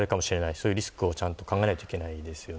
そういうリスクを、ちゃんと考えないといけないですね。